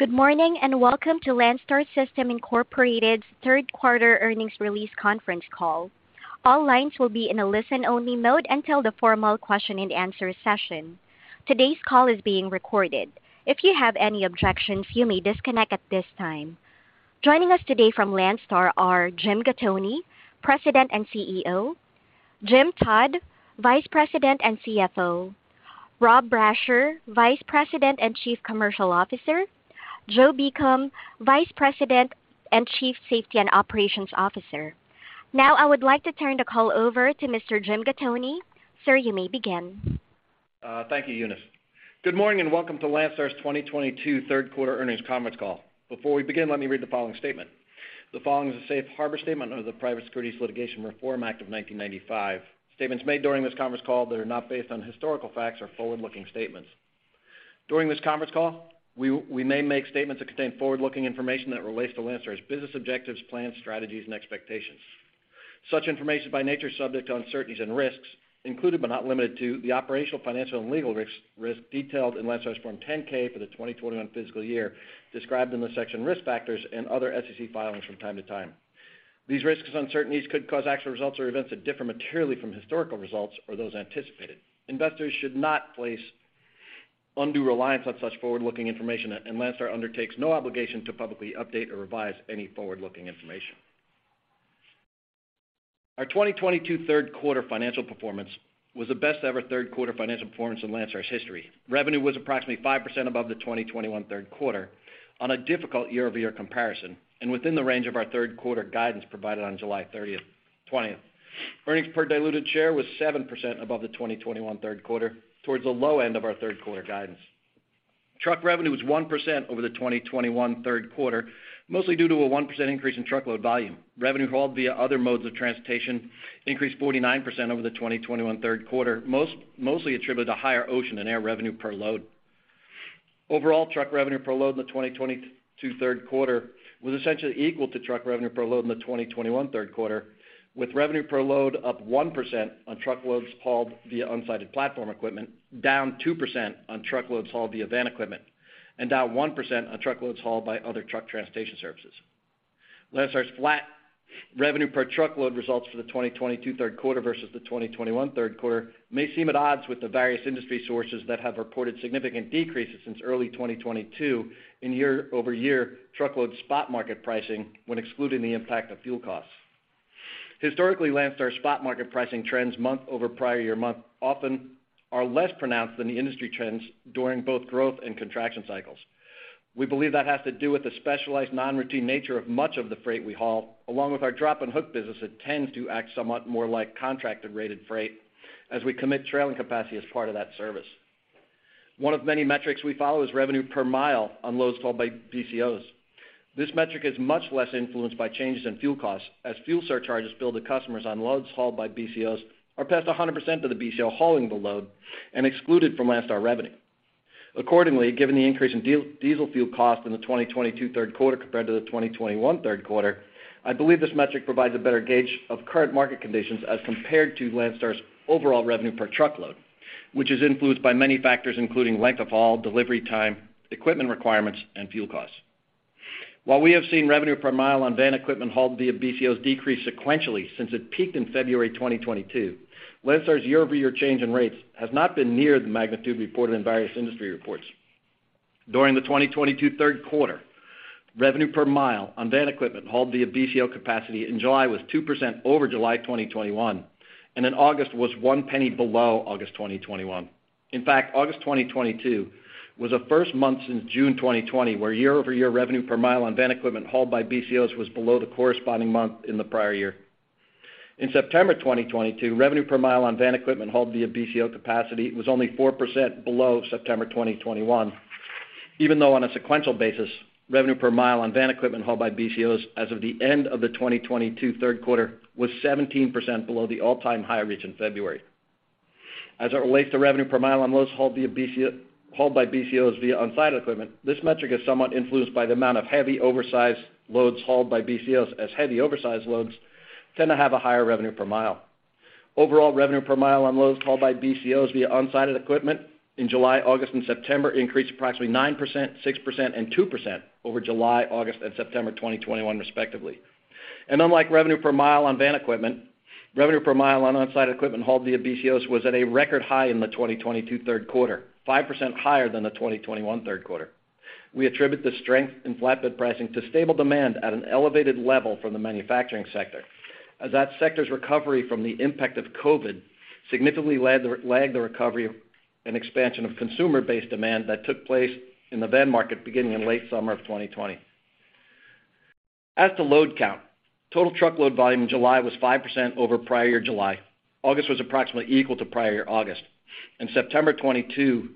Good morning, and welcome to Landstar System, Inc.'s third quarter earnings release conference call. All lines will be in a listen-only mode until the formal question-and-answer session. Today's call is being recorded. If you have any objections, you may disconnect at this time. Joining us today from Landstar are Jim Gattoni, President and CEO, Jim Todd, Vice President and CFO, Rob Brasher, Vice President and Chief Commercial Officer, Joe Beacom, Vice President and Chief Safety and Operations Officer. Now I would like to turn the call over to Mr. Jim Gattoni. Sir, you may begin. Thank you, Eunice. Good morning, and welcome to Landstar's 2022 third quarter earnings conference call. Before we begin, let me read the following statement. The following is a safe harbor statement under the Private Securities Litigation Reform Act of 1995. Statements made during this conference call that are not based on historical facts are forward-looking statements. During this conference call, we may make statements that contain forward-looking information that relates to Landstar's business objectives, plans, strategies, and expectations. Such information by nature is subject to uncertainties and risks included, but not limited to, the operational, financial, and legal risks detailed in Landstar's Form 10-K for the 2021 fiscal year described in the section Risk Factors and other SEC filings from time to time. These risks and uncertainties could cause actual results or events to differ materially from historical results or those anticipated. Investors should not place undue reliance on such forward-looking information, and Landstar undertakes no obligation to publicly update or revise any forward-looking information. Our 2022 third quarter financial performance was the best ever third quarter financial performance in Landstar's history. Revenue was approximately 5% above the 2021 third quarter on a difficult year-over-year comparison, and within the range of our third quarter guidance provided on 20th July. Earnings per diluted share was 7% above the 2021 third quarter, towards the low end of our third quarter guidance. Truck revenue was 1% over the 2021 third quarter, mostly due to a 1% increase in truckload volume. Revenue hauled via other modes of transportation increased 49% over the 2021 third quarter, mostly attributed to higher ocean and air revenue per load. Overall, truck revenue per load in the 2022 third quarter was essentially equal to truck revenue per load in the 2021 third quarter, with revenue per load up 1% on truckloads hauled via onsite platform equipment, down 2% on truckloads hauled via van equipment, and down 1% on truckloads hauled by other truck transportation services. Landstar's flat revenue per truckload results for the 2022 third quarter versus the 2021 third quarter may seem at odds with the various industry sources that have reported significant decreases since early 2022 in year-over-year truckload spot market pricing when excluding the impact of fuel costs. Historically, Landstar spot market pricing trends month over prior year month often are less pronounced than the industry trends during both growth and contraction cycles. We believe that has to do with the specialized non-routine nature of much of the freight we haul, along with our drop and hook business that tends to act somewhat more like contracted rated freight as we commit trailing capacity as part of that service. One of many metrics we follow is revenue per mile on loads hauled by BCOs. This metric is much less influenced by changes in fuel costs, as fuel surcharges billed to customers on loads hauled by BCOs are passed 100% to the BCO hauling the load and excluded from Landstar revenue. Accordingly, given the increase in diesel fuel cost in the 2022 third quarter compared to the 2021 third quarter, I believe this metric provides a better gauge of current market conditions as compared to Landstar's overall revenue per truckload, which is influenced by many factors including length of haul, delivery time, equipment requirements, and fuel costs. While we have seen revenue per mile on van equipment hauled via BCOs decrease sequentially since it peaked in February 2022, Landstar's year-over-year change in rates has not been near the magnitude reported in various industry reports. During the 2022 third quarter, revenue per mile on van equipment hauled via BCO capacity in July was 2% over July 2021, and in August was $0.01 below August 2021. In fact, August 2022 was the first month since June 2020, where year-over-year revenue per mile on van equipment hauled by BCOs was below the corresponding month in the prior year. In September 2022, revenue per mile on van equipment hauled via BCO capacity was only 4% below September 2021, even though on a sequential basis, revenue per mile on van equipment hauled by BCOs as of the end of the 2022 third quarter was 17% below the all-time high reached in February. As it relates to revenue per mile on loads hauled by BCOs via on-site equipment, this metric is somewhat influenced by the amount of heavy oversized loads hauled by BCOs, as heavy oversized loads tend to have a higher revenue per mile. Overall revenue per mile on loads hauled by BCOs via onsite equipment in July, August, and September increased approximately 9%, 6%, and 2% over July, August, and September 2021, respectively. Unlike revenue per mile on van equipment, revenue per mile on onsite equipment hauled via BCOs was at a record high in the 2022 third quarter, 5% higher than the 2021 third quarter. We attribute the strength in flatbed pricing to stable demand at an elevated level for the manufacturing sector, as that sector's recovery from the impact of COVID significantly lagged the recovery and expansion of consumer-based demand that took place in the van market beginning in late summer of 2020. As to load count, total truckload volume in July was 5% over prior year July. August was approximately equal to prior year August. September 2022.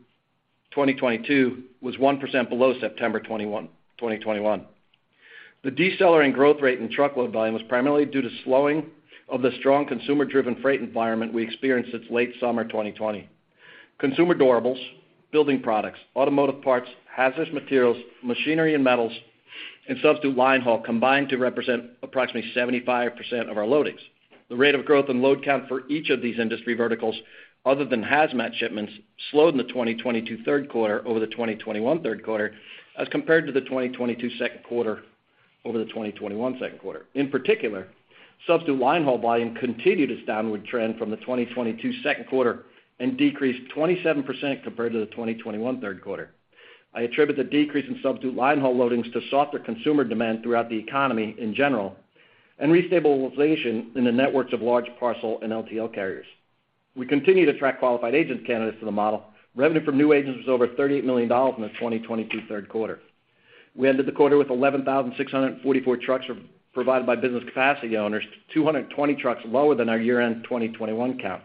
2022 was 1% below September 2021. The decelerating growth rate in truckload volume was primarily due to slowing of the strong consumer-driven freight environment we experienced since late summer 2020. Consumer durables, building products, automotive parts, hazardous materials, machinery and metals and substitute linehaul combined to represent approximately 75% of our loadings. The rate of growth in load count for each of these industry verticals other than hazmat shipments slowed in the 2022 third quarter over the 2021 third quarter as compared to the 2022 second quarter over the 2021 second quarter. In particular, substitute linehaul volume continued its downward trend from the 2022 second quarter and decreased 27% compared to the 2021 third quarter. I attribute the decrease in substitute linehaul loadings to softer consumer demand throughout the economy in general and restabilization in the networks of large parcel and LTL carriers. We continue to track qualified agent candidates to the model. Revenue from new agents was over $38 million in the 2022 third quarter. We ended the quarter with 11,644 trucks provided by business capacity owners, 220 trucks lower than our year-end 2021 count.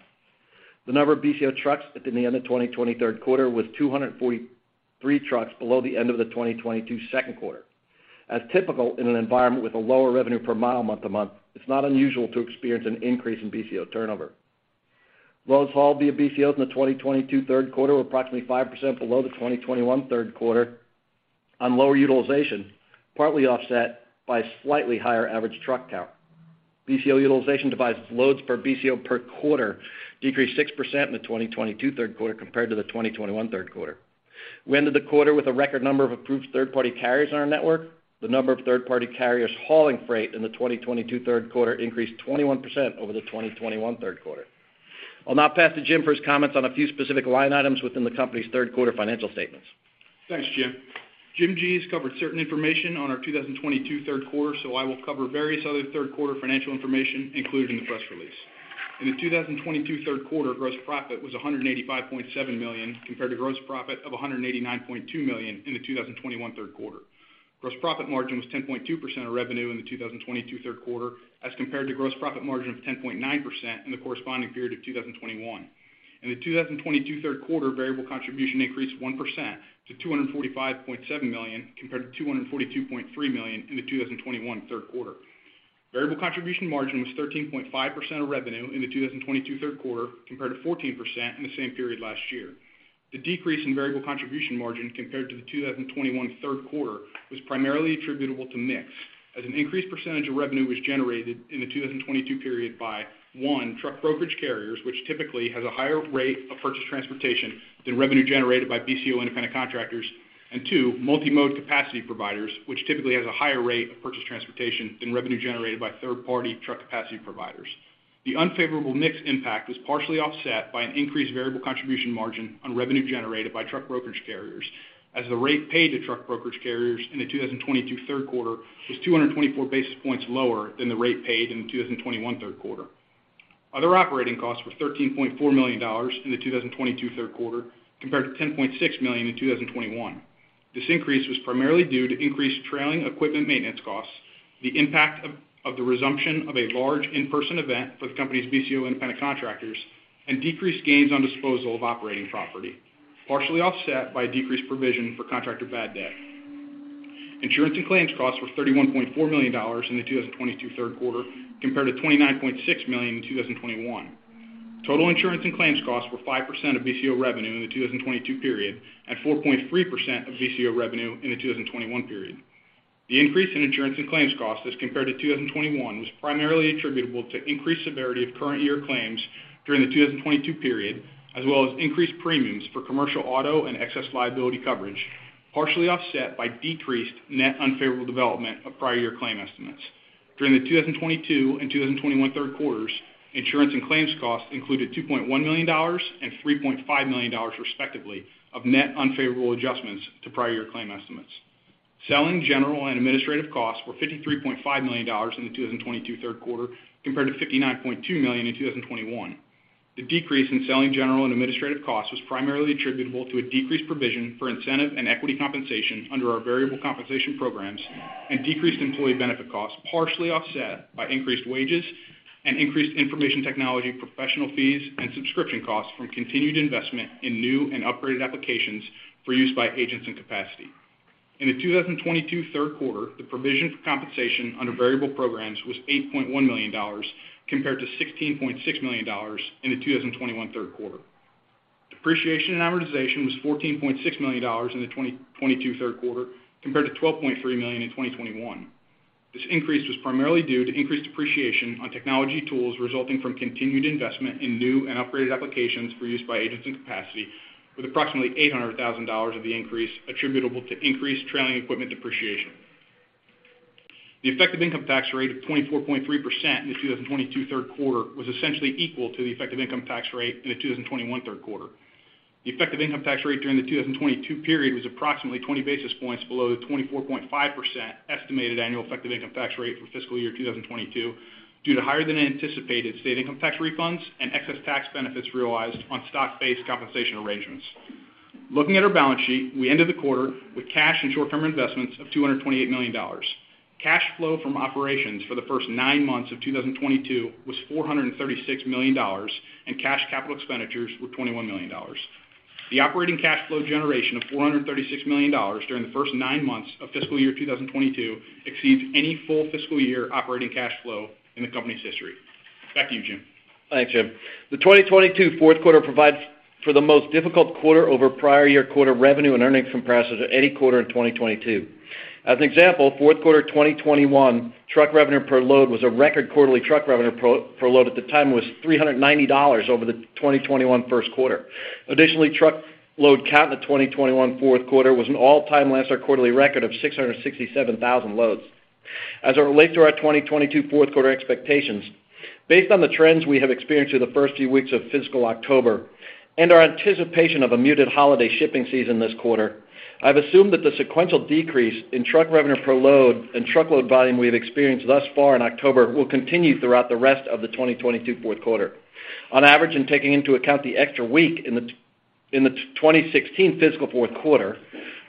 The number of BCO trucks at the end of the 2023 third quarter was 243 trucks below the end of the 2022 second quarter. As typical in an environment with a lower revenue per mile month-to-month, it's not unusual to experience an increase in BCO turnover. Loads hauled via BCOs in the 2022 third quarter were approximately 5% below the 2021 third quarter on lower utilization, partly offset by slightly higher average truck count. BCO utilization, defined as loads per BCO per quarter, decreased 6% in the 2022 third quarter compared to the 2021 third quarter. We ended the quarter with a record number of approved third-party carriers on our network. The number of third-party carriers hauling freight in the 2022 third quarter increased 21% over the 2021 third quarter. I'll now pass to Jim for his comments on a few specific line items within the company's third quarter financial statements. Thanks, Jim. Jim G. has covered certain information on our 2022 third quarter. I will cover various other third quarter financial information included in the press release. In the 2022 third quarter, gross profit was $185.7 million compared to gross profit of $189.2 million in the 2021 third quarter. Gross profit margin was 10.2% of revenue in the 2022 third quarter as compared to gross profit margin of 10.9% in the corresponding period of 2021. In the 2022 third quarter, variable contribution increased 1% to $245.7 million compared to $242.3 million in the 2021 third quarter. Variable contribution margin was 13.5% of revenue in the 2022 third quarter compared to 14% in the same period last year. The decrease in variable contribution margin compared to the 2021 third quarter was primarily attributable to mix as an increased percentage of revenue was generated in the 2022 period by, one, truck brokerage carriers, which typically has a higher rate of purchased transportation than revenue generated by BCO independent contractors. Two, multimode capacity providers, which typically has a higher rate of purchased transportation than revenue generated by third-party truck capacity providers. The unfavorable mix impact was partially offset by an increased variable contribution margin on revenue generated by truck brokerage carriers, as the rate paid to truck brokerage carriers in the 2022 third quarter was 224 basis points lower than the rate paid in the 2021 third quarter. Other operating costs were $13.4 million in the 2022 third quarter compared to $10.6 million in 2021. This increase was primarily due to increased trailing equipment maintenance costs, the impact of the resumption of a large in-person event for the company's BCO independent contractors, and decreased gains on disposal of operating property, partially offset by a decreased provision for contractor bad debt. Insurance and claims costs were $31.4 million in the 2022 third quarter compared to $29.6 million in 2021. Total insurance and claims costs were 5% of BCO revenue in the 2022 period and 4.3% of BCO revenue in the 2021 period. The increase in insurance and claims costs as compared to 2021 was primarily attributable to increased severity of current year claims during the 2022 period, as well as increased premiums for commercial auto and excess liability coverage, partially offset by decreased net unfavorable development of prior year claim estimates. During the 2022 and 2021 third quarters, insurance and claims costs included $2.1 million and $3.5 million respectively of net unfavorable adjustments to prior year claim estimates. Selling, general and administrative costs were $53.5 million in the 2022 third quarter compared to $59.2 million in 2021. The decrease in selling, general and administrative costs was primarily attributable to a decreased provision for incentive and equity compensation under our variable compensation programs and decreased employee benefit costs, partially offset by increased wages and increased information technology professional fees and subscription costs from continued investment in new and upgraded applications for use by agents and capacity. In the 2022 third quarter, the provision for compensation under variable programs was $8.1 million compared to $16.6 million in the 2021 third quarter. Depreciation and amortization was $14.6 million in the 2022 third quarter compared to $12.3 million in 2021. This increase was primarily due to increased depreciation on technology tools resulting from continued investment in new and upgraded applications for use by agents and capacity, with approximately $800,000 of the increase attributable to increased trailing equipment depreciation. The effective income tax rate of 24.3% in the 2022 third quarter was essentially equal to the effective income tax rate in the 2021 third quarter. The effective income tax rate during the 2022 period was approximately 20 basis points below the 24.5% estimated annual effective income tax rate for fiscal year 2022 due to higher than anticipated state income tax refunds and excess tax benefits realized on stock-based compensation arrangements. Looking at our balance sheet, we ended the quarter with cash and short-term investments of $228 million. Cash flow from operations for the first nine months of 2022 was $436 million, and cash capital expenditures were $21 million. Operating cash flow generation of $436 million during the first nine months of fiscal year 2022 exceeds any full fiscal year operating cash flow in the company's history. Back to you, Jim. Thanks, Jim. The 2022 fourth quarter provides for the most difficult quarter-over-prior-year-quarter revenue and earnings comparisons of any quarter in 2022. As an example, fourth quarter 2021 truck revenue per load was a record quarterly truck revenue per load at the time of $390 over the 2021 first quarter. Additionally, truck load count in the 2021 fourth quarter was an all-time last quarterly record of 667,000 loads. As it relates to our 2022 fourth quarter expectations, based on the trends we have experienced through the first few weeks of fiscal October and our anticipation of a muted holiday shipping season this quarter, I've assumed that the sequential decrease in truck revenue per load and truckload volume we have experienced thus far in October will continue throughout the rest of the 2022 fourth quarter. On average, in taking into account the extra week in the 2016 fiscal fourth quarter,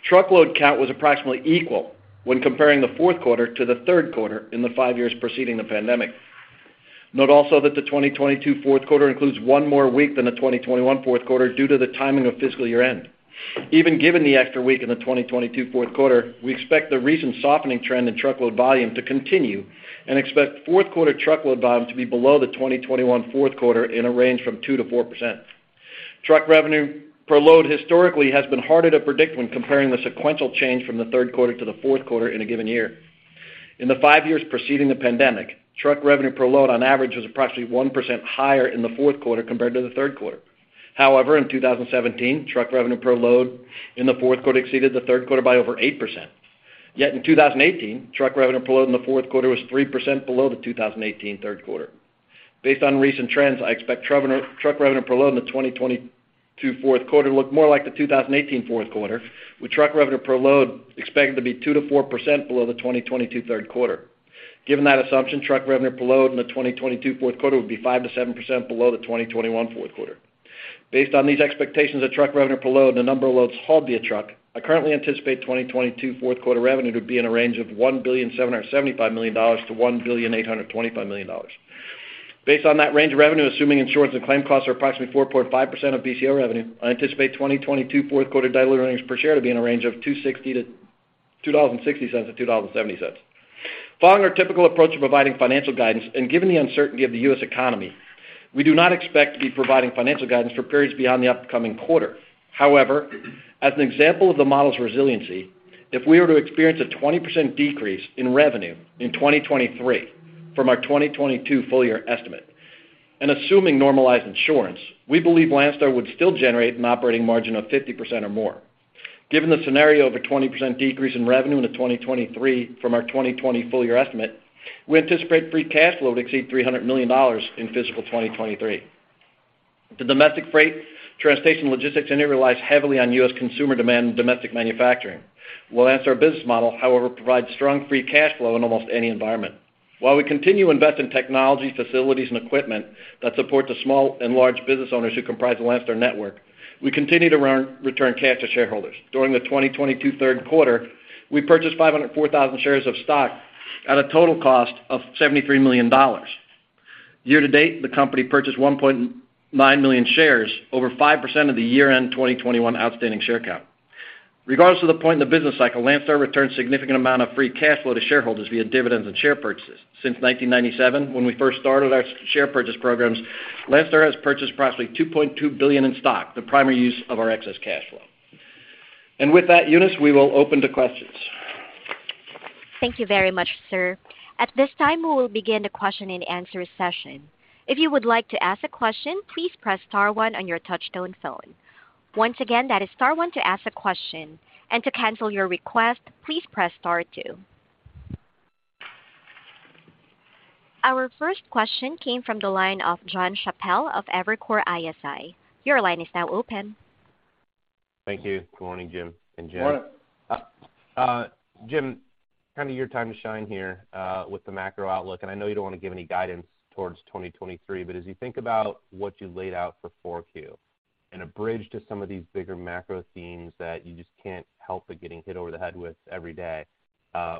truckload count was approximately equal when comparing the fourth quarter to the third quarter in the five years preceding the pandemic. Note also that the 2022 fourth quarter includes one more week than the 2021 fourth quarter due to the timing of fiscal year-end. Even given the extra week in the 2022 fourth quarter, we expect the recent softening trend in truckload volume to continue and expect fourth quarter truckload volume to be below the 2021 fourth quarter in a range from 2%-4%. Truck revenue per load historically has been harder to predict when comparing the sequential change from the third quarter to the fourth quarter in a given year. In the five years preceding the pandemic, truck revenue per load on average was approximately 1% higher in the fourth quarter compared to the third quarter. However, in 2017, truck revenue per load in the fourth quarter exceeded the third quarter by over 8%. Yet in 2018, truck revenue per load in the fourth quarter was 3% below the 2018 third quarter. Based on recent trends, I expect Landstar truck revenue per load in the 2022 fourth quarter to look more like the 2018 fourth quarter, with truck revenue per load expected to be 2%-4% below the 2022 third quarter. Given that assumption, truck revenue per load in the 2022 fourth quarter would be 5%-7% below the 2021 fourth quarter. Based on these expectations of truck revenue per load, the number of loads hauled via truck, I currently anticipate 2022 fourth quarter revenue to be in a range of $1.775 billion-$1.825 billion. Based on that range of revenue, assuming insurance and claim costs are approximately 4.5% of BCO revenue, I anticipate 2022 fourth quarter diluted earnings per share to be in a range of $2.60-$2.70. Following our typical approach to providing financial guidance and given the uncertainty of the U.S. economy, we do not expect to be providing financial guidance for periods beyond the upcoming quarter. However, as an example of the model's resiliency, if we were to experience a 20% decrease in revenue in 2023 from our 2022 full year estimate, and assuming normalized insurance, we believe Landstar would still generate an operating margin of 50% or more. Given the scenario of a 20% decrease in revenue in the 2023 from our 2020 full year estimate, we anticipate free cash flow to exceed $300 million in fiscal 2023. The domestic freight transportation logistics industry relies heavily on U.S. consumer demand and domestic manufacturing. Well, that's our business model, however, provides strong free cash flow in almost any environment. While we continue to invest in technology, facilities, and equipment that supports the small and large business owners who comprise the Landstar network, we continue to run, return cash to shareholders. During the 2022 third quarter, we purchased 504,000 shares of stock at a total cost of $73 million. Year to date, the company purchased 1.9 million shares, over 5% of the year-end 2021 outstanding share count. Regardless of the point in the business cycle, Landstar returns significant amount of free cash flow to shareholders via dividends and share purchases. Since 1997, when we first started our share purchase programs, Landstar has purchased approximately $2.2 billion in stock, the primary use of our excess cash flow. With that, Eunice, we will open to questions. Thank you very much, sir. At this time, we will begin the question and answer session. If you would like to ask a question, please press star one on your touchtone phone. Once again, that is star one to ask a question. To cancel your request, please press star two. Our first question came from the line of Jonathan Chappell of Evercore ISI. Your line is now open. Thank you. Good morning, Jim and Jim. Good morning. Jim, kind of your time to shine here with the macro outlook, and I know you don't want to give any guidance towards 2023, but as you think about what you laid out for Q4 and a bridge to some of these bigger macro themes that you just can't help but getting hit over the head with every day,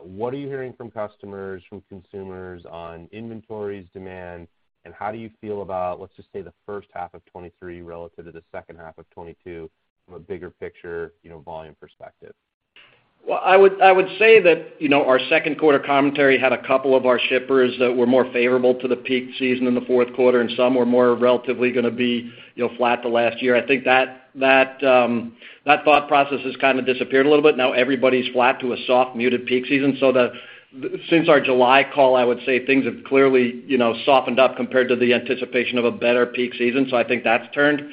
what are you hearing from customers, from consumers on inventories, demand, and how do you feel about, let's just say, the first half of 2023 relative to the second half of 2022 from a bigger picture, you know, volume perspective? I would say that, you know, our second quarter commentary had a couple of our shippers that were more favorable to the peak season in the fourth quarter, and some were more relatively gonna be, you know, flat the last year. I think that thought process has kind of disappeared a little bit. Now everybody's flat to a soft, muted peak season. Since our July call, I would say things have clearly, you know, softened up compared to the anticipation of a better peak season. I think that's turned.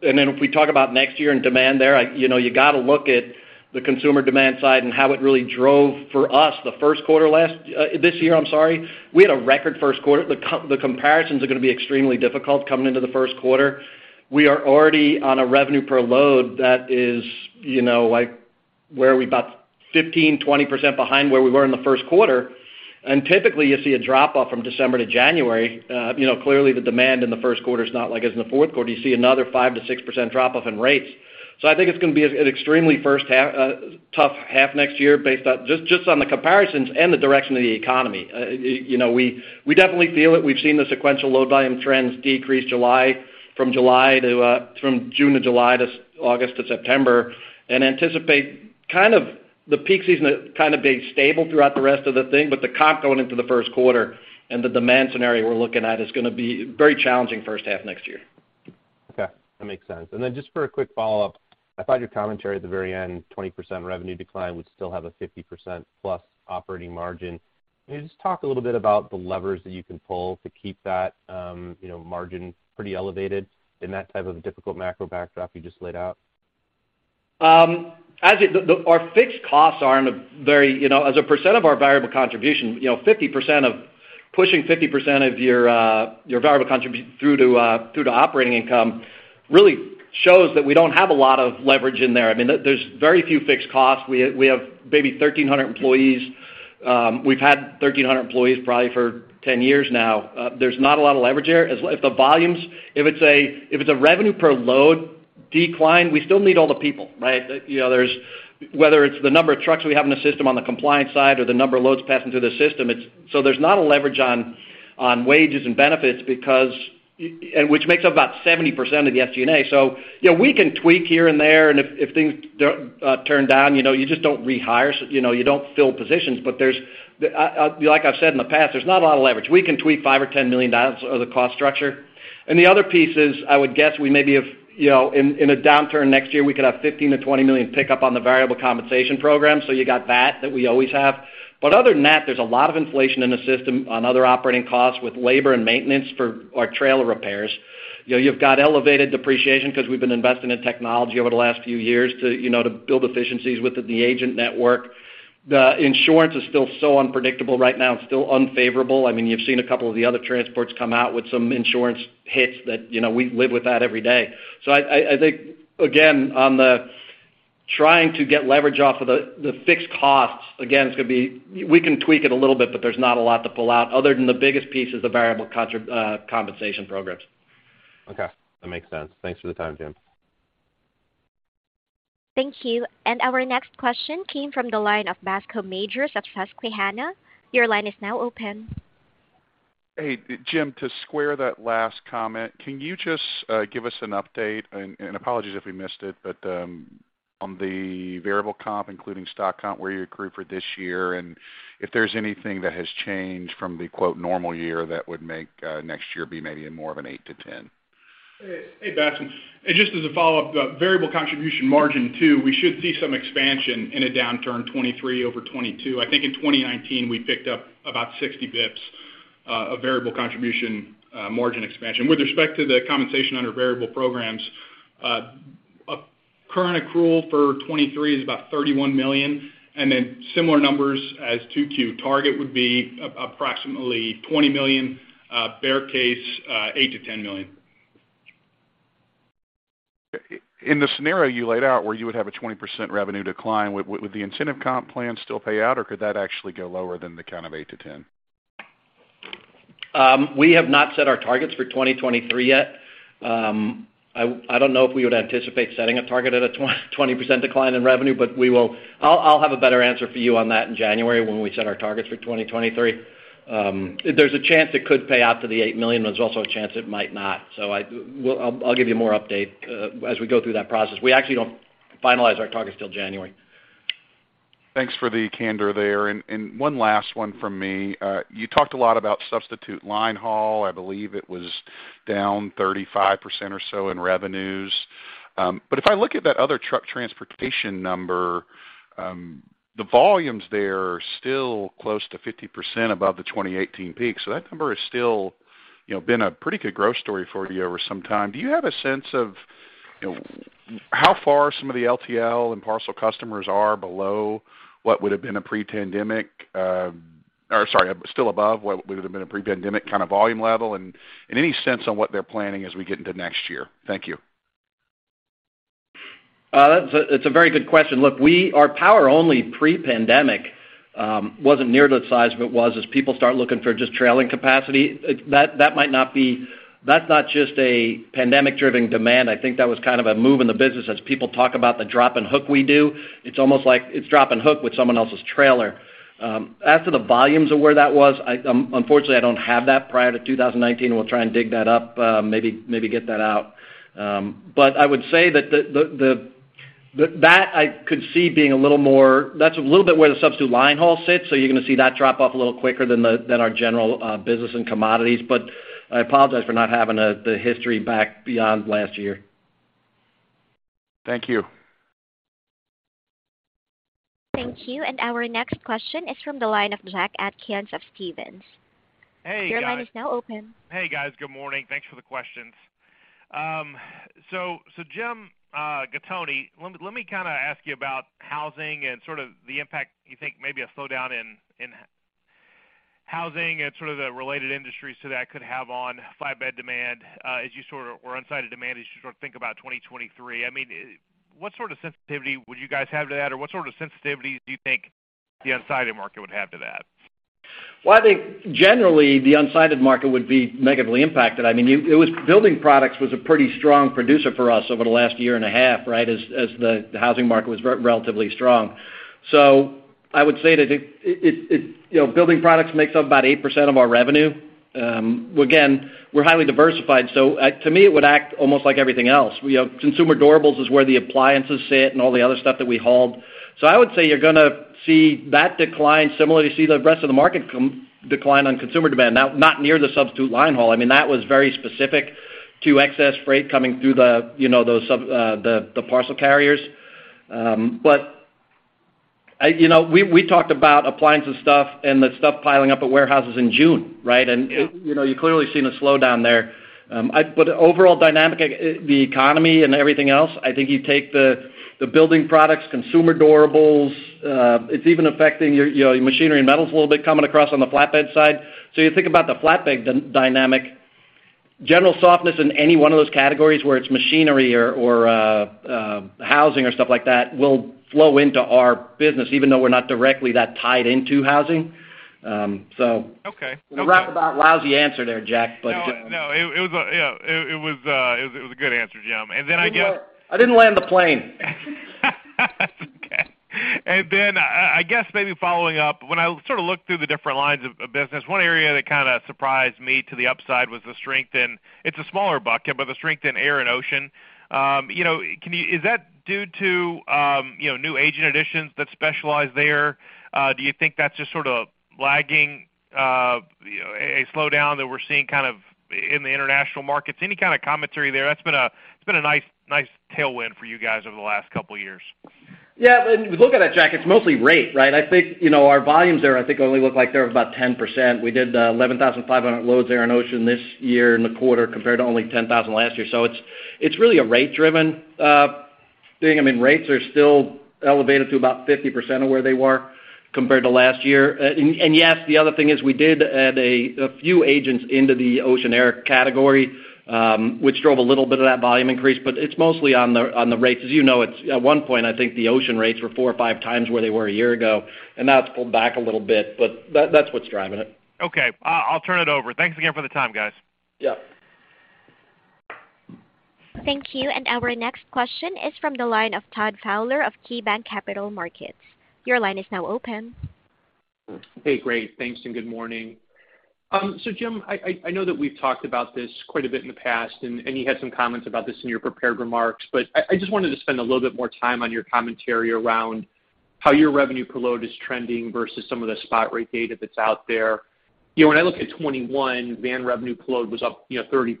If we talk about next year and demand there, you know, you gotta look at the consumer demand side and how it really drove for us the first quarter last this year, I'm sorry. We had a record first quarter. The comparisons are gonna be extremely difficult coming into the first quarter. We are already on a revenue per load that is, you know, like, where are we? About 15%-20% behind where we were in the first quarter. Typically, you see a drop off from December to January. You know, clearly the demand in the first quarter is not like it's in the fourth quarter. You see another 5%-6% drop off in rates. I think it's gonna be an extremely tough first half next year based just on the comparisons and the direction of the economy. You know, we definitely feel it. We've seen the sequential load volume trends decrease from June to July, to August to September, and anticipate kind of the peak season kind of being stable throughout the rest of the thing, but the comp going into the first quarter and the demand scenario we're looking at is gonna be very challenging first half next year. Okay, that makes sense. Just for a quick follow-up, I thought your commentary at the very end, 20% revenue decline would still have a 50%+ operating margin. Can you just talk a little bit about the levers that you can pull to keep that, you know, margin pretty elevated in that type of difficult macro backdrop you just laid out? Our fixed costs are in a very, you know, as a percent of our variable contribution, you know, 50% of pushing 50% of your variable contribution through to operating income really shows that we don't have a lot of leverage in there. I mean, there's very few fixed costs. We have maybe 1,300 employees. We've had 1,300 employees probably for 10 years now. There's not a lot of leverage there. As if the volumes, if it's a revenue per load decline, we still need all the people, right? You know, there's whether it's the number of trucks we have in the system on the compliance side or the number of loads passing through the system. It's so there's not a leverage on wages and benefits because, and which makes up about 70% of the SG&A. You know, we can tweak here and there, and if things don't turn down, you know, you just don't rehire. You know, you don't fill positions. Like I've said in the past, there's not a lot of leverage. We can tweak $5 million or $10 million of the cost structure. The other piece is, I would guess we maybe have, you know, in a downturn next year, we could have $15-$20 million pickup on the variable compensation program. You got that we always have. other than that, there's a lot of inflation in the system on other operating costs with labor and maintenance for our trailer repairs. You know, you've got elevated depreciation 'cause we've been investing in technology over the last few years to, you know, to build efficiencies within the agent network. The insurance is still so unpredictable right now. It's still unfavorable. I mean, you've seen a couple of the other transports come out with some insurance hits that, you know, we live with that every day. I think, again, on the trying to get leverage off of the fixed costs, again, it's gonna be. We can tweak it a little bit, but there's not a lot to pull out other than the biggest piece is the variable compensation programs. Okay, that makes sense. Thanks for the time, Jim. Thank you. Our next question came from the line of Bascome Majors of Susquehanna. Your line is now open. Hey, Jim, to square that last comment, can you just give us an update, and apologies if we missed it, but on the variable comp, including stock comp, where you accrue for this year, and if there's anything that has changed from the “normal year” that would make next year be maybe more of an 8-10. Hey, Bascome. Just as a follow-up, the variable contribution margin too, we should see some expansion in a downturn, 2023 over 2022. I think in 2019 we picked up about 60 basis points of variable contribution margin expansion. With respect to the compensation under variable programs, a current accrual for 2023 is about $31 million, and then similar numbers as 2Q. Target would be approximately $20 million, bear case, $8 million-$10 million. In the scenario you laid out where you would have a 20% revenue decline, would the incentive comp plan still pay out, or could that actually go lower than the kind of 8%-10%? We have not set our targets for 2023 yet. I don't know if we would anticipate setting a target at a 20% decline in revenue, but we will. I'll have a better answer for you on that in January when we set our targets for 2023. There's a chance it could pay out to the $8 million. There's also a chance it might not. I'll give you more update as we go through that process. We actually don't finalize our targets till January. Thanks for the candor there. One last one from me. You talked a lot about substitute linehaul. I believe it was down 35% or so in revenues. But if I look at that other truck transportation number, the volumes there are still close to 50% above the 2018 peak. So that number is still, you know, been a pretty good growth story for you over some time. Do you have a sense of, you know, how far some of the LTL and parcel customers are still above what would have been a pre-pandemic kind of volume level? Any sense on what they're planning as we get into next year? Thank you. That's a, it's a very good question. Look, we are power only pre-pandemic, wasn't near the size it was as people start looking for just trailing capacity. That might not be, that's not just a pandemic-driven demand. I think that was kind of a move in the business as people talk about the drop and hook we do. It's almost like it's drop and hook with someone else's trailer. As to the volumes of where that was, unfortunately, I don't have that prior to 2019. We'll try and dig that up, maybe get that out. I would say that that I could see being a little more. That's a little bit where the substitute line haul sits. You're gonna see that drop off a little quicker than our general business and commodities. I apologize for not having the history back beyond last year. Thank you. Thank you. Our next question is from the line of Jack Atkins of Stephens. Hey, guys. Your line is now open. Hey, guys. Good morning. Thanks for the questions. Jim Gattoni, let me kinda ask you about housing and sort of the impact you think maybe a slowdown in housing and sort of the related industries to that could have on flatbed demand or unsided demand as you sort of think about 2023. I mean, what sort of sensitivity would you guys have to that? Or what sort of sensitivities do you think the unsided market would have to that? I think generally the unsided market would be negatively impacted. I mean, building products was a pretty strong producer for us over the last year and a half, right? As the housing market was relatively strong. I would say that, you know, building products makes up about 8% of our revenue. Again, we're highly diversified, so to me, it would act almost like everything else. You know, consumer durables is where the appliances sit and all the other stuff that we hauled. I would say you're gonna see that decline similarly, you see the rest of the market decline on consumer demand, not near the substitute linehaul. I mean, that was very specific to excess freight coming through the, you know, those such as the parcel carriers. But I... We talked about appliances stuff and the stuff piling up at warehouses in June, right? You know, you're clearly seeing a slowdown there. But overall dynamic, the economy and everything else, I think you take the building products, consumer durables, it's even affecting your, you know, machinery and metals a little bit coming across on the flatbed side. You think about the flatbed dynamic, general softness in any one of those categories where it's machinery or housing or stuff like that will flow into our business, even though we're not directly that tied into housing. Okay. Okay. A rough but lousy answer there, Jack, but. You know, it was a good answer, Jim. Then I guess- You know what? I didn't land the plane. Okay. I guess maybe following up, when I sort of look through the different lines of business, one area that kind of surprised me to the upside was the strength in, it's a smaller bucket, but the strength in air and ocean. You know, is that due to you know new agent additions that specialize there? Do you think that's just sort of lagging you know a slowdown that we're seeing kind of in the international markets? Any kind of commentary there? That's been. It's been a nice tailwind for you guys over the last couple years. Yeah. When you look at that, Jack, it's mostly rate, right? I think, you know, our volumes there, I think only look like they're about 10%. We did 11,500 loads air and ocean this year in the quarter compared to only 10,000 last year. It's really a rate-driven thing. I mean, rates are still elevated to about 50% of where they were compared to last year. And yes, the other thing is we did add a few agents into the ocean air category, which drove a little bit of that volume increase, but it's mostly on the rates. As you know, it's at one point I think the ocean rates were 4 or 5 times where they were a year ago, and now it's pulled back a little bit, but that's what's driving it. Okay. I'll turn it over. Thanks again for the time, guys. Yep. Thank you. Our next question is from the line of Todd Fowler of KeyBanc Capital Markets. Your line is now open. Hey, great. Thanks, and good morning. Jim, I know that we've talked about this quite a bit in the past, and you had some comments about this in your prepared remarks, but I just wanted to spend a little bit more time on your commentary around how your revenue per load is trending versus some of the spot rate data that's out there. You know, when I look at 2021, van revenue per load was up, you know, 30%,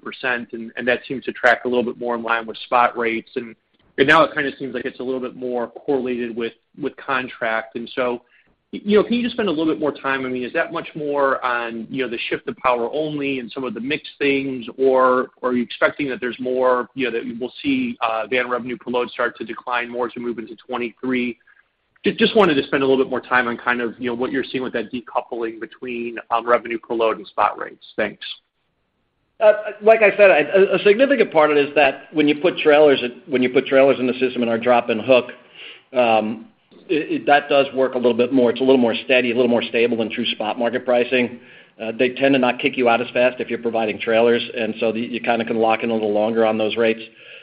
and that seems to track a little bit more in line with spot rates. Now it kind of seems like it's a little bit more correlated with contract. You know, can you just spend a little bit more time? I mean, is that much more on, you know, the shift of power only and some of the mixed things, or are you expecting that there's more, you know, that we'll see van revenue per load start to decline more as we move into 2023? Just wanted to spend a little bit more time on kind of, you know, what you're seeing with that decoupling between revenue per load and spot rates. Thanks. Like I said, a significant part of it is that when you put trailers in the system in our drop and hook, that does work a little bit more. It's a little more steady, a little more stable than true spot market pricing. They tend to not kick you out as fast if you're providing trailers, and so you kinda can lock in a little longer on those rates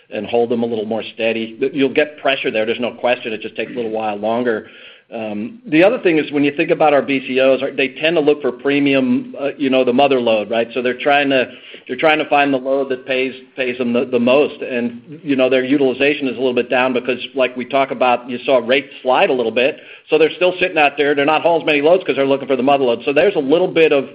and hold them a little more steady. You'll get pressure there's no question. It just takes a little while longer. The other thing is when you think about our BCOs, they tend to look for premium, you know, the mother lode, right? So they're trying to find the load that pays them the most. You know, their utilization is a little bit down because like we talk about, you saw rates slide a little bit, so they're still sitting out there. They're not hauling as many loads because they're looking for the mother load. So there's a little bit of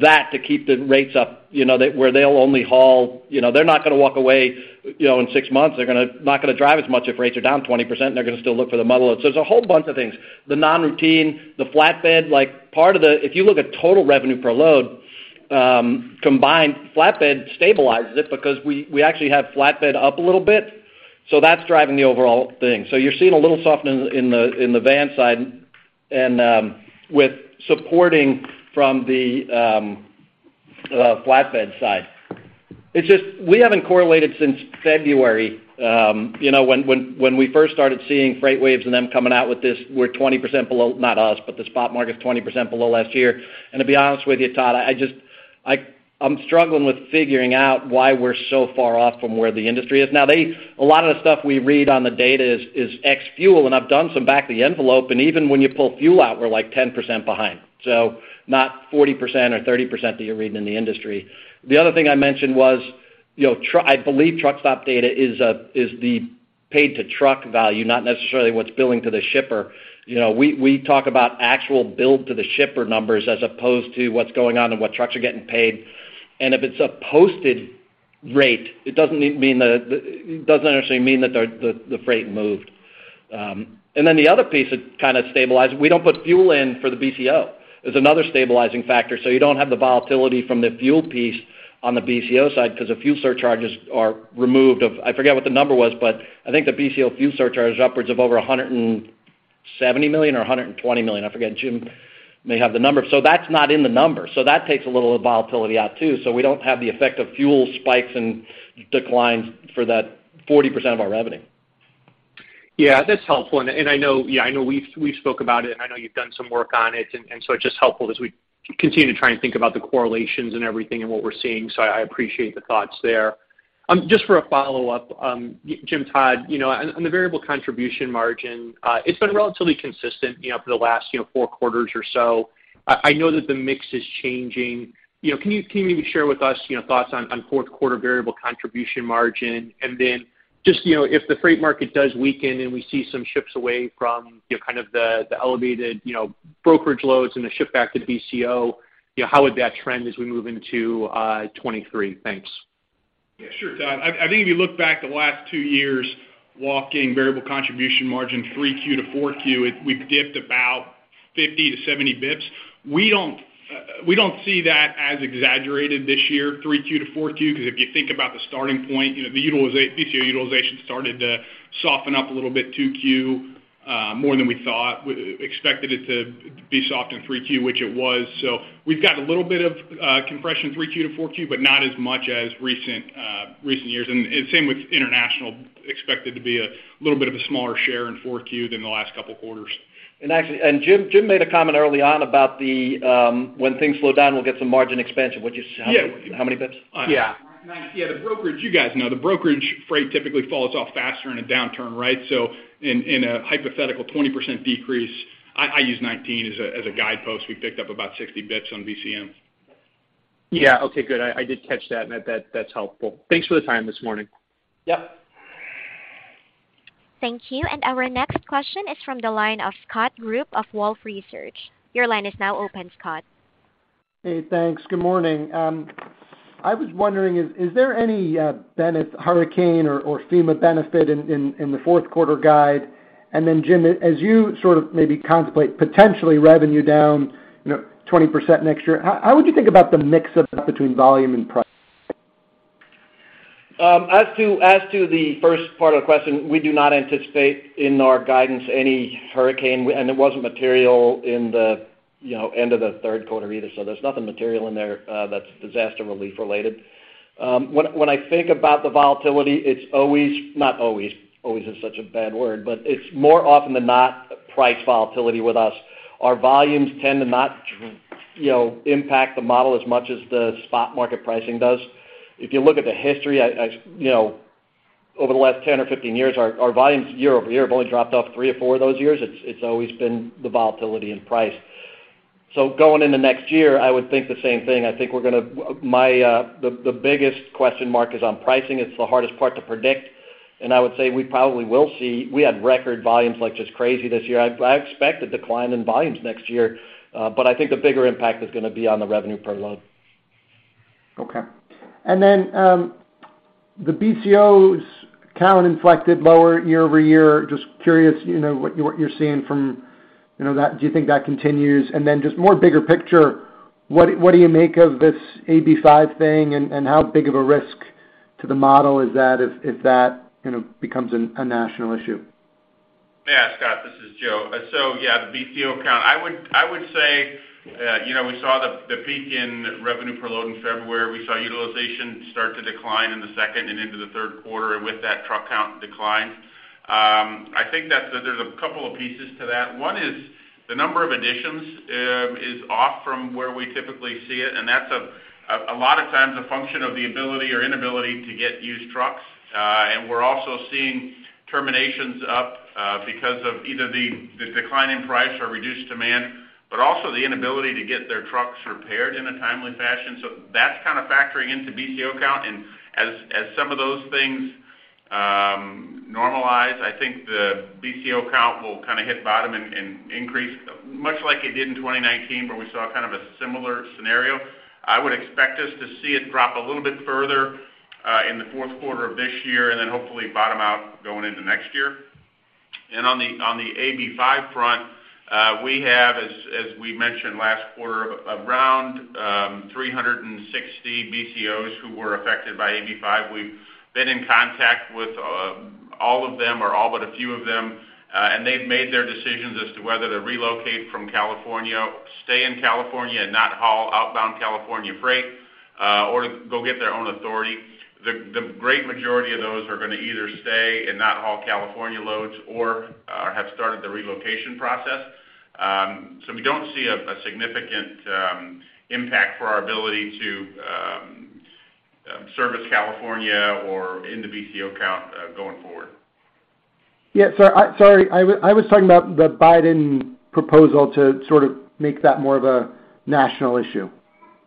that to keep the rates up, you know, they, where they'll only haul. You know, they're not gonna walk away, you know, in six months. They're not gonna drive as much if rates are down 20%. They're gonna still look for the mother load. So there's a whole bunch of things. The non-routine, the flatbed, like part of the. If you look at total revenue per load, combined, flatbed stabilizes it because we actually have flatbed up a little bit, so that's driving the overall thing. You're seeing a little softness in the van side and with support from the flatbed side. It's just we haven't correlated since February. You know, when we first started seeing FreightWaves and them coming out with this, we're 20% below, not us, but the spot market's 20% below last year. To be honest with you, Todd, I just I'm struggling with figuring out why we're so far off from where the industry is. Now they, a lot of the stuff we read on the data is ex-fuel, and I've done some back-of-the-envelope, and even when you pull fuel out, we're like 10% behind. Not 40% or 30% that you're reading in the industry. The other thing I mentioned was, you know, I believe Truckstop data is the paid to truck value, not necessarily what's billed to the shipper. You know, we talk about actual billed to the shipper numbers as opposed to what's going on and what trucks are getting paid. If it's a posted rate, it doesn't mean that, it doesn't necessarily mean that the freight moved. The other piece that kind of stabilized, we don't put fuel in for the BCO. There's another stabilizing factor, so you don't have the volatility from the fuel piece on the BCO side because the fuel surcharges are removed of, I forget what the number was, but I think the BCO fuel surcharge is upwards of over $170 million or $120 million. I forget. Jim may have the number. That's not in the number. That takes a little of the volatility out, too. We don't have the effect of fuel spikes and declines for that 40% of our revenue. Yeah, that's helpful. I know we've spoke about it, and I know you've done some work on it. It's just helpful as we continue to try and think about the correlations and everything and what we're seeing. I appreciate the thoughts there. Just for a follow-up, Jim Todd, you know, on the variable contribution margin, it's been relatively consistent, you know, for the last four quarters or so. I know that the mix is changing. You know, can you maybe share with us, you know, thoughts on fourth quarter variable contribution margin? Then just, you know, if the freight market does weaken and we see some shifts away from, you know, kind of the elevated, you know, brokerage loads and the shift back to BCO, you know, how would that trend as we move into 2023? Thanks. Yeah, sure, Todd. I think if you look back the last two years, looking variable contribution margin 3Q to 4Q, we've dipped about 50-70 basis points. We don't see that as exaggerated this year, 3Q-4Q, 'cause if you think about the starting point, you know, the BCO utilization started to soften up a little bit 2Q, more than we thought. We expected it to be soft in 3Q, which it was. We've got a little bit of compression 3Q to 4Q, but not as much as recent years. Same with international, expected to be a little bit of a smaller share in 4Q than the last couple of quarters. Jim made a comment early on about when things slow down, we'll get some margin expansion. Which is how Yeah. How many bps? Yeah. 19. Yeah, the brokerage, you guys know, the brokerage freight typically falls off faster in a downturn, right? In a hypothetical 20% decrease, I use 19 as a guidepost. We picked up about 60 basis points on VCM. Yeah. Okay, good. I did catch that, and that's helpful. Thanks for the time this morning. Yep. Thank you. Our next question is from the line of Scott Group of Wolfe Research. Your line is now open, Scott. Hey, thanks. Good morning. I was wondering, is there any hurricane benefit or FEMA benefit in the fourth quarter guide? Then, Jim, as you sort of maybe contemplate potentially revenue down, you know, 20% next year, how would you think about the mix of that between volume and price? As to the first part of the question, we do not anticipate in our guidance any hurricane, and it wasn't material in the, you know, end of the third quarter either. There's nothing material in there, that's disaster relief related. When I think about the volatility, it's not always is such a bad word, but it's more often than not price volatility with us. Our volumes tend to not, you know, impact the model as much as the spot market pricing does. If you look at the history, you know, over the last 10 or 15 years, our volumes year-over-year have only dropped off three or four of those years. It's always been the volatility in price. Going into next year, I would think the same thing. I think we're gonna. The biggest question mark is on pricing. It's the hardest part to predict. I would say we probably will see. We had record volumes like just crazy this year. I expect a decline in volumes next year, but I think the bigger impact is gonna be on the revenue per load. Okay. The BCO's count inflected lower year over year. Just curious, you know, what you're seeing from, you know, that. Do you think that continues? Just more bigger picture, what do you make of this AB5 thing and how big of a risk to the model is that if that, you know, becomes a national issue? Yeah, Scott, this is Joe. Yeah, the BCO count. I would say you know, we saw the peak in revenue per load in February. We saw utilization start to decline in the second and into the third quarter with that truck count decline. I think that there's a couple of pieces to that. One is the number of additions is off from where we typically see it, and that's a lot of times a function of the ability or inability to get used trucks. And we're also seeing terminations up because of either the decline in price or reduced demand, but also the inability to get their trucks repaired in a timely fashion. That's kind of factoring into BCO count. As some of those things normalize, I think the BCO count will kinda hit bottom and increase, much like it did in 2019, where we saw kind of a similar scenario. I would expect us to see it drop a little bit further in the fourth quarter of this year and then hopefully bottom out going into next year. On the AB5 front, we have as we mentioned last quarter, around 360 BCOs who were affected by AB5. We've been in contact with all of them or all but a few of them, and they've made their decisions as to whether to relocate from California, stay in California and not haul outbound California freight, or go get their own authority. The great majority of those are gonna either stay and not haul California loads or have started the relocation process. We don't see a significant impact for our ability to service California or in the BCO count going forward. Sorry, I was talking about the Biden proposal to sort of make that more of a national issue.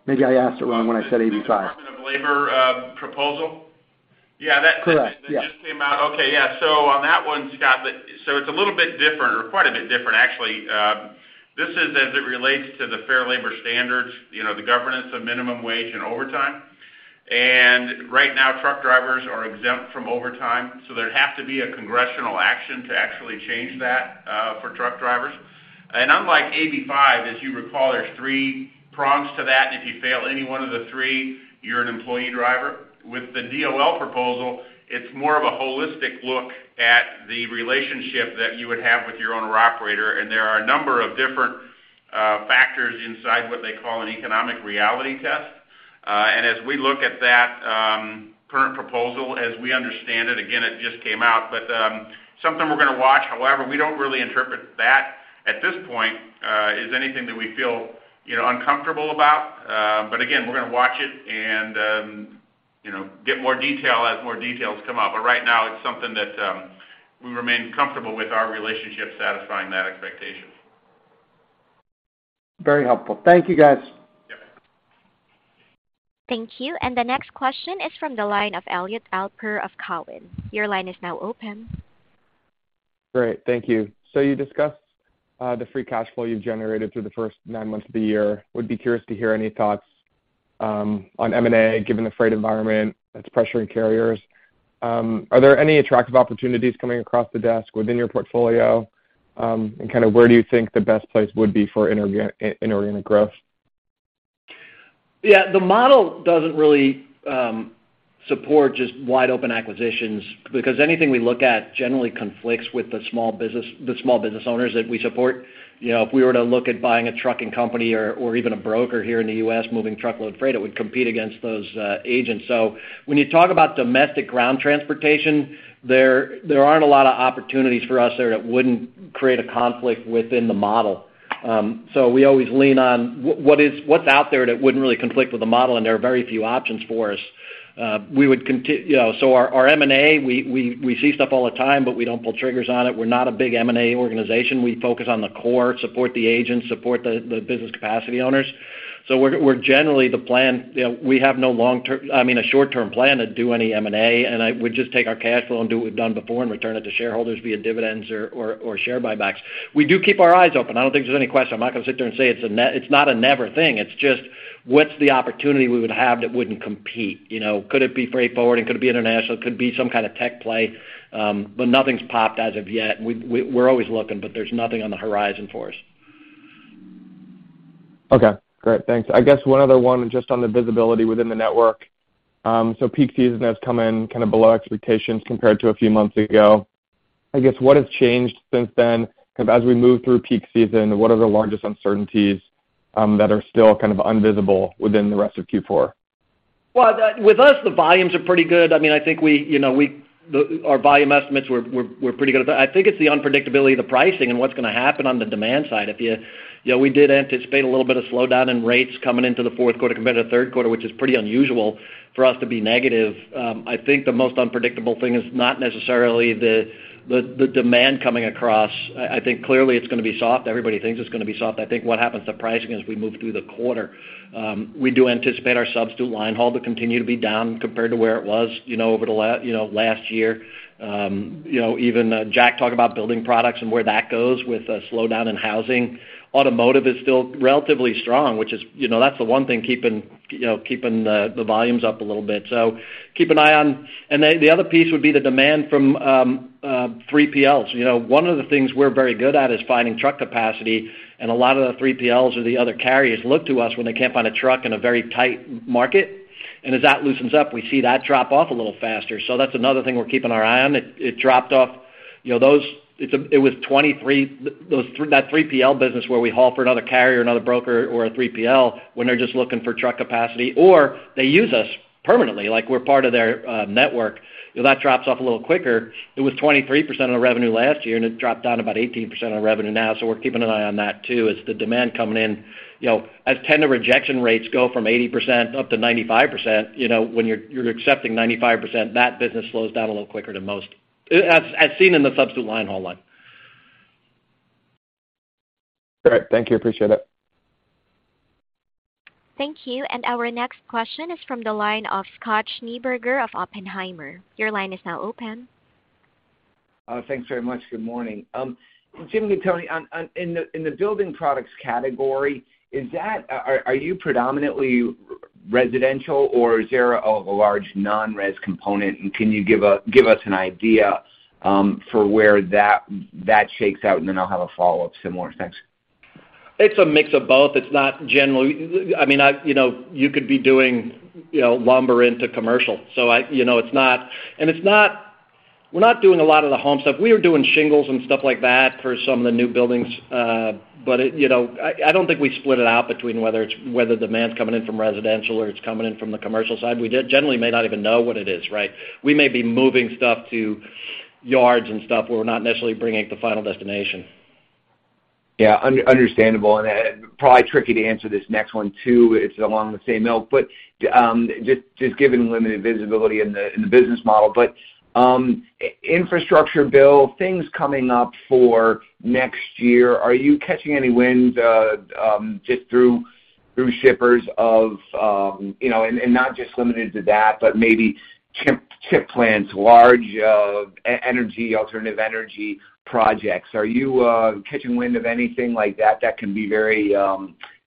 Maybe I asked it wrong when I said AB5. The Department of Labor proposal? Yeah. Correct. Yeah. That just came out. Okay, yeah. On that one, Scott, it's a little bit different or quite a bit different actually. This is as it relates to the fair labor standards, you know, the governance of minimum wage and overtime. Right now, truck drivers are exempt from overtime, so there'd have to be a congressional action to actually change that for truck drivers. Unlike AB5, as you recall, there's three prongs to that. If you fail any one of the three, you're an employee driver. With the DOL proposal, it's more of a holistic look at the relationship that you would have with your owner operator, and there are a number of different factors inside what they call an economic reality test. As we look at that current proposal, as we understand it, again, it just came out, but something we're gonna watch. However, we don't really interpret that. At this point, is anything that we feel, you know, uncomfortable about. Again, we're gonna watch it and, you know, get more detail as more details come up. Right now, it's something that we remain comfortable with our relationship satisfying that expectation. Very helpful. Thank you, guys. Yeah. Thank you. The next question is from the line of Elliot Alper of Cowen. Your line is now open. Great. Thank you. You discussed the free cash flow you've generated through the first nine months of the year. Would be curious to hear any thoughts on M&A, given the freight environment that's pressuring carriers. Are there any attractive opportunities coming across the desk within your portfolio? And kind of where do you think the best place would be for inorganic growth? Yeah, the model doesn't really support just wide open acquisitions because anything we look at generally conflicts with the small business owners that we support. You know, if we were to look at buying a trucking company or even a broker here in the U.S. moving truckload freight, it would compete against those agents. When you talk about domestic ground transportation, there aren't a lot of opportunities for us there that wouldn't create a conflict within the model. We always lean on what's out there that wouldn't really conflict with the model, and there are very few options for us. You know, our M&A, we see stuff all the time, but we don't pull triggers on it. We're not a big M&A organization. We focus on the core, support the agents, support the business capacity owners. We're generally on plan. You know, we have no short-term plan to do any M&A, and we just take our cash flow and do what we've done before and return it to shareholders via dividends or share buybacks. We do keep our eyes open. I don't think there's any question. I'm not gonna sit there and say it's not a never thing. It's just, what's the opportunity we would have that wouldn't compete, you know? Could it be freight forwarding and could it be international, could be some kind of tech play. But nothing's popped as of yet. We're always looking, but there's nothing on the horizon for us. Okay. Great. Thanks. I guess one other one just on the visibility within the network. Peak season has come in kind of below expectations compared to a few months ago. I guess, what has changed since then 'cause as we move through peak season, what are the largest uncertainties that are still kind of invisible within the rest of Q4? With us, the volumes are pretty good. I mean, I think we, you know, our volume estimates were pretty good. I think it's the unpredictability of the pricing and what's gonna happen on the demand side. You know, we did anticipate a little bit of slowdown in rates coming into the fourth quarter compared to the third quarter, which is pretty unusual for us to be negative. I think the most unpredictable thing is not necessarily the demand coming across. I think clearly it's gonna be soft. Everybody thinks it's gonna be soft. I think what happens to pricing as we move through the quarter. We do anticipate our substitute linehaul to continue to be down compared to where it was, you know, over the last year. You know, even Jack talked about building products and where that goes with a slowdown in housing. Automotive is still relatively strong, which is, you know, that's the one thing keeping the volumes up a little bit. Keep an eye on. The other piece would be the demand from 3PLs. You know, one of the things we're very good at is finding truck capacity, and a lot of the 3PLs or the other carriers look to us when they can't find a truck in a very tight market. As that loosens up, we see that drop off a little faster. That's another thing we're keeping our eye on. It dropped off, you know, that 3PL business where we haul for another carrier, another broker, or a 3PL when they're just looking for truck capacity, or they use us permanently, like we're part of their network. You know, that drops off a little quicker. It was 23% of the revenue last year, and it dropped down about 18% of revenue now. We're keeping an eye on that too. As the demand coming in, you know, as tender rejection rates go from 80% up to 95%, you know, when you're accepting 95%, that business slows down a little quicker than most, as seen in the substitute linehaul line. All right. Thank you. Appreciate it. Thank you. Our next question is from the line of Scott Schneeberger of Oppenheimer. Your line is now open. Thanks very much. Good morning. Jim Gattoni, in the building products category, are you predominantly residential or is there a large non-res component? Can you give us an idea for where that shakes out? I'll have a follow-up similar. Thanks. It's a mix of both. It's not generally. I mean, I, you know, you could be doing, you know, lumber into commercial. I, you know, it's not, we're not doing a lot of the home stuff. We are doing shingles and stuff like that for some of the new buildings. It, you know, I don't think we split it out between whether it's, whether demand's coming in from residential or it's coming in from the commercial side. We generally may not even know what it is, right? We may be moving stuff to yards and stuff where we're not necessarily bringing it to final destination. Yeah. Understandable. Probably tricky to answer this next one too, it's along the same vein, but just given limited visibility in the business model. Infrastructure bill, things coming up for next year, are you catching any wind just through shippers of, you know, and not just limited to that, but maybe chip plants, large energy alternative energy projects. Are you catching wind of anything like that that can be very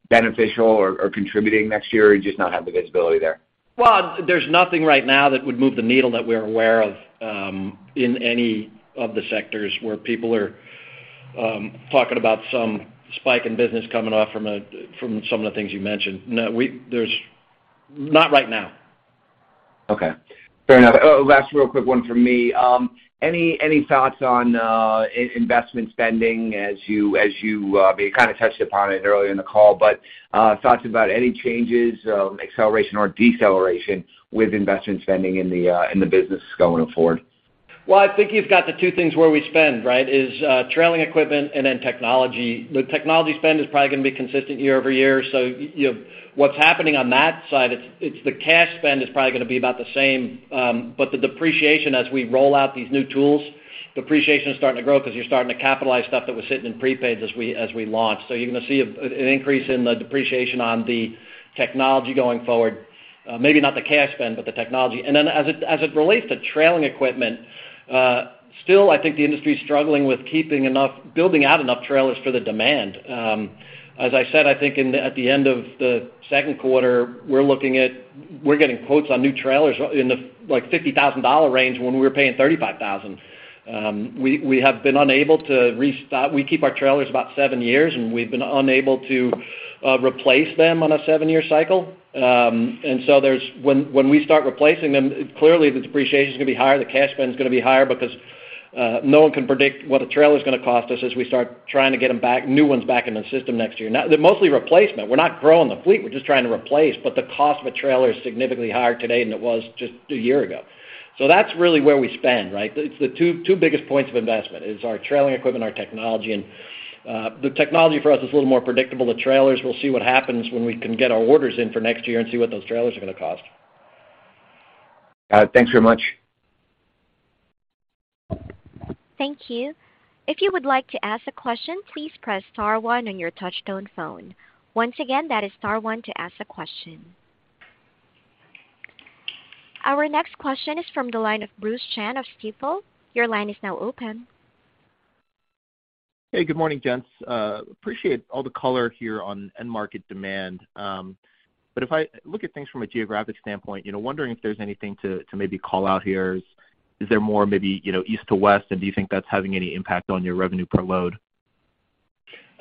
beneficial or contributing next year, or you just not have the visibility there? Well, there's nothing right now that would move the needle that we're aware of in any of the sectors where people are talking about some spike in business coming off from some of the things you mentioned. No, there's not right now. Okay. Fair enough. Oh, last real quick one from me. Any thoughts on investment spending as you, I mean, you kinda touched upon it earlier in the call, but thoughts about any changes, acceleration or deceleration with investment spending in the business going forward? Well, I think you've got the two things where we spend, right, is trailing equipment and then technology. The technology spend is probably gonna be consistent year-over-year, so what's happening on that side, it's the cash spend is probably gonna be about the same, but the depreciation as we roll out these new tools, depreciation is starting to grow 'cause you're starting to capitalize stuff that was sitting in prepaid as we launch. You're gonna see an increase in the depreciation on the technology going forward. Maybe not the cash spend, but the technology. As it relates to trailing equipment, still I think the industry is struggling with building out enough trailers for the demand. As I said, I think at the end of the second quarter, we're looking at. We're getting quotes on new trailers in the, like, $50,000 range when we were paying $35,000. We have been unable to restock. We keep our trailers about seven years, and we've been unable to replace them on a seven-year cycle. When we start replacing them, clearly the depreciation is gonna be higher, the cash spend is gonna be higher because no one can predict what a trailer's gonna cost us as we start trying to get them back, new ones back in the system next year. They're mostly replacement. We're not growing the fleet. We're just trying to replace, but the cost of a trailer is significantly higher today than it was just a year ago. That's really where we spend, right? It's the two biggest points of investment. It's our trailing equipment, our technology. The technology for us is a little more predictable. The trailers, we'll see what happens when we can get our orders in for next year and see what those trailers are gonna cost. Thanks very much. Thank you. If you would like to ask a question, please press star one on your touchtone phone. Once again, that is star one to ask a question. Our next question is from the line of Bruce Chan of Stifel. Your line is now open. Hey, good morning, gents. Appreciate all the color here on end market demand. If I look at things from a geographic standpoint, you know, wondering if there's anything to maybe call out here. Is there more, maybe, you know, east to west, and do you think that's having any impact on your revenue per load?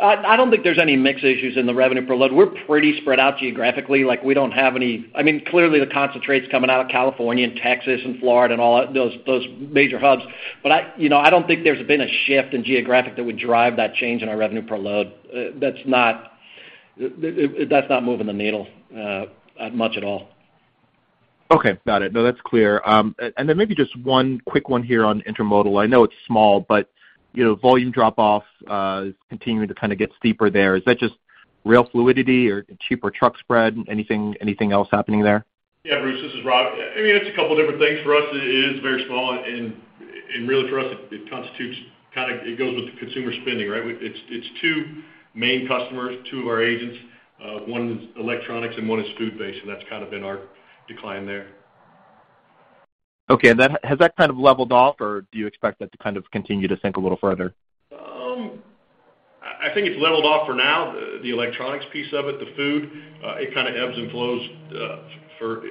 I don't think there's any mix issues in the revenue per load. We're pretty spread out geographically. Like, we don't have any. I mean, clearly, the concentrate's coming out of California and Texas and Florida and all those major hubs. I, you know, I don't think there's been a shift in geographic that would drive that change in our revenue per load. That's not moving the needle much at all. Okay. Got it. No, that's clear. Maybe just one quick one here on intermodal. I know it's small, but you know, volume drop-off is continuing to kind of get steeper there. Is that just rail fluidity or cheaper truck spread? Anything else happening there? Yeah, Bruce, this is Rob. I mean, it's a couple different things for us. It is very small and really for us it constitutes kind of it goes with the consumer spending, right? It's two main customers, two of our agents, one is electronics and one is food-based, and that's kind of been our decline there. Okay. Has that kind of leveled off or do you expect that to kind of continue to sink a little further? I think it's leveled off for now, the electronics piece of it. The food, it kind of ebbs and flows for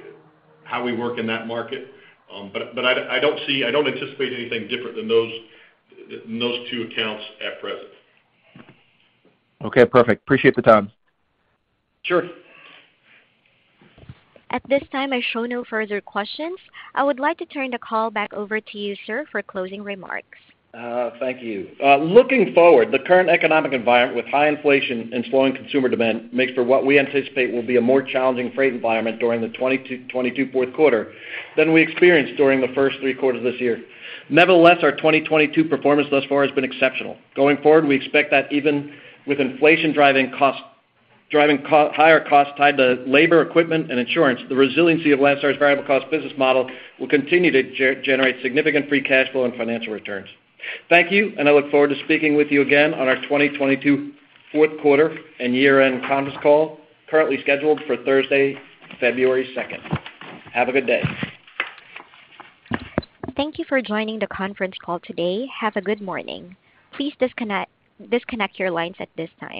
how we work in that market. I don't anticipate anything different than those two accounts at present. Okay, perfect. Appreciate the time. Sure. At this time, I show no further questions. I would like to turn the call back over to you, sir, for closing remarks. Thank you. Looking forward, the current economic environment with high inflation and slowing consumer demand makes for what we anticipate will be a more challenging freight environment during the 2022 fourth quarter than we experienced during the first three quarters this year. Nevertheless, our 2022 performance thus far has been exceptional. Going forward, we expect that even with inflation driving higher costs tied to labor, equipment, and insurance, the resiliency of Landstar's variable cost business model will continue to generate significant free cash flow and financial returns. Thank you, and I look forward to speaking with you again on our 2022 fourth quarter and year-end conference call, currently scheduled for Thursday, 2nd February. Have a good day. Thank you for joining the conference call today. Have a good morning. Please disconnect your lines at this time.